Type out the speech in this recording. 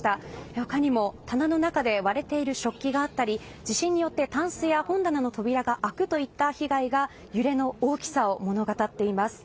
他にも棚の中で割れている食器があったり地震によってたんすや本棚の扉が開くといった被害が、揺れの大きさを物語っています。